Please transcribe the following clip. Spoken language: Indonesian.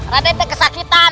raden ada kesakitan